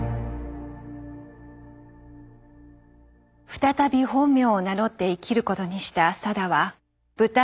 再び本名を名乗って生きることにした定は舞台女優に転身。